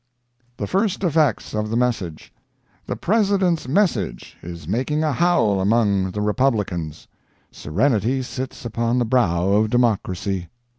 The First Effects of the Message. The President's Message is making a howl among the Republicans—serenity sits upon the brow of Democracy.